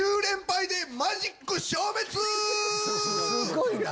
すごいな。